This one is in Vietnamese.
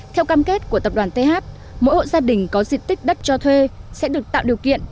theo cam kết của tập đoàn th mỗi hộ gia đình có diện tích đất cho thuê sẽ được tạo điều kiện